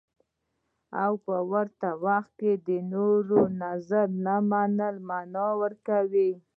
او په ورته وخت کې د نورو نظر نه منل مانا ورکوي.